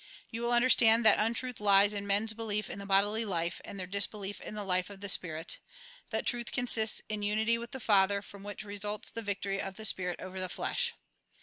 You will understand that untruth lies in men's belief in the bodily life, and their disbelief in the hfe of the spirit ; that truth consists in unity with the Father, from which results the victory of the spirit over the flesh.